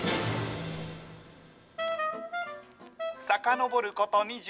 さかのぼること